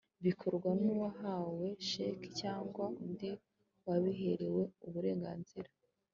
bikorwa n'uwahawe sheki cyangwa undi wabiherewe uburenganzira